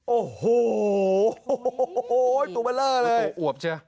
โอโห้โห้โอยโดยเบลอเลย